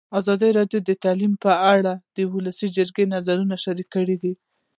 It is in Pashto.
ازادي راډیو د تعلیم په اړه د ولسي جرګې نظرونه شریک کړي.